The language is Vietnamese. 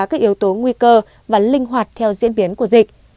các yếu tố nguy cơ và linh hoạt theo diễn biến của dịch